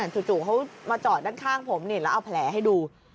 จู่เขามาจอดด้านข้างผมนี่แล้วเอาแผลให้ดู